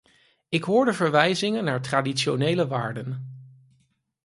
Ik hoorde verwijzingen naar traditionele waarden.